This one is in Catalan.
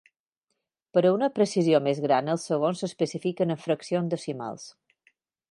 Per a una precisió més gran els segons s'especifiquen en fraccions decimals.